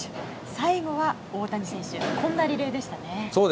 最後は大谷選手というリレーでしたね。